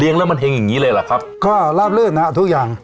แล้วมันเห็งอย่างงี้เลยเหรอครับก็ราบลื่นนะฮะทุกอย่าง